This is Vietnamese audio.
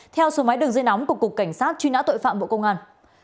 theo số máy đường dây nóng của cục cảnh sát truy nã tội phạm bộ công an